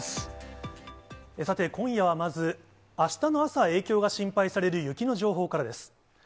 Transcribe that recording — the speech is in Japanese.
さて、今夜はまず、あしたの朝、影響が心配される雪の情報からです。